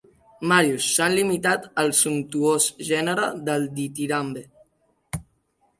Màrius, s'han limitat al sumptuós gènere del ditirambe.